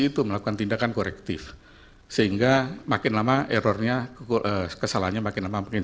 itu melakukan tindakan korektif sehingga makin lama errornya kesalahannya makin lama makin